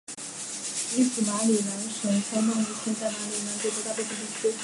英属马里兰省相当于现在马里兰州的大部分地区。